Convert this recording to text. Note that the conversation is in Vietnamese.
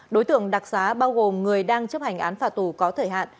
đối tượng đặc xá bao gồm người đang chấp hành án phạt tù có thời hạn